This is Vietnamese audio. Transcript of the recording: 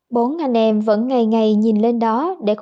bàn thờ người quá cố vẫn chưa có ảnh